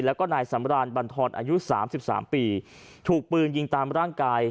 แล้วก็นายสำรานบรรทรอายุสามสิบสามปีถูกปืนยิงตามร่างกาย